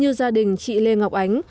như gia đình chị lê ngọc ánh